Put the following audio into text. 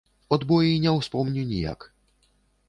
От бо і не ўспомню ніяк.